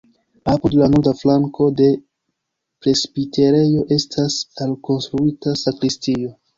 Apud la norda flanko de presbiterejo estas alkonstruita sakristio.